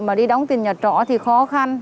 mà đi đóng tiền nhà trỏ thì khó khăn